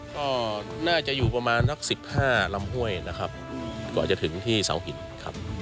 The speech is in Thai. ก็น่าจะอยู่ประมาณนัก๑๕ลำห้วยนะครับกว่าจะถึงที่เสาหินครับ